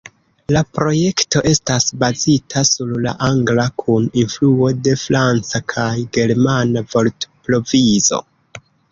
La projekto estas bazita sur la angla kun influo de franca kaj germana vortprovizo.